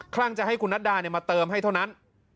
ลั่งจะให้คุณนัดดามาเติมให้เท่านั้น